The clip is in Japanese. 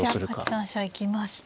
８三飛車行きましたね。